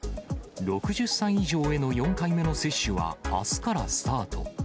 ６０歳以上への４回目の接種はあすからスタート。